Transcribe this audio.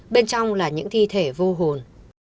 bên trong là những thi thể vô hồn